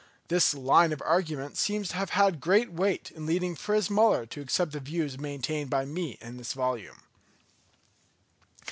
This line of argument seems to have had great weight in leading Fritz Müller to accept the views maintained by me in this volume.